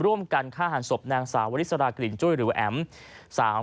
ร่วมกันฆ่าหันศพนางสาววริสรากลิ่นจุ้ยหรือว่าแอ๋ม